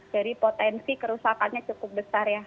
jadi potensi kerusakannya cukup besar ya